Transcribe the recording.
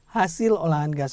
hasil olahan gas metan